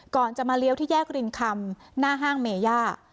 ก่อนจะมาเลี้ยวที่แยกรินคำหน้าห้างเมย่า